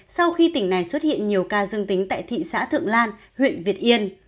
sau khi tỉnh này xuất hiện nhiều ca dương tính tại thị xã thượng lan huyện việt yên